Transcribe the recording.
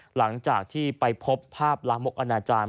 หลังจากที่ไปพบภาพลามกอนาจารย์